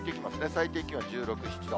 最低気温１６、７度。